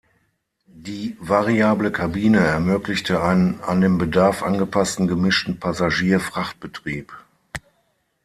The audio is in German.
Die variable Kabine ermöglichte einen an den Bedarf angepassten gemischten Passagier-Frachtbetrieb.